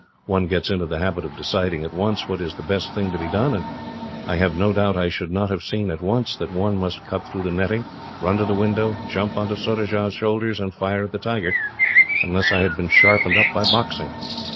One gets into the habit of deciding at once what is the best thing to be done; and I have no doubt that I should not have seen, at once, that one must cut through the netting, run to the window, jump on to Surajah's shoulders, and fire at the tiger, unless I had been sharpened up by boxing.